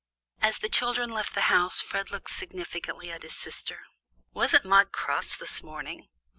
As the children left the house, Fred looked significantly at his sister. "Wasn't Maude cross this morning?